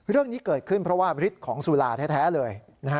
เรื่องนี้เกิดขึ้นเพราะว่าฤทธิ์ของสุราแท้เลย